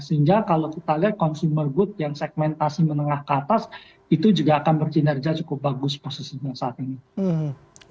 sehingga kalau kita lihat consumer good yang segmentasi menengah ke atas itu juga akan berkinerja cukup bagus posisinya saat ini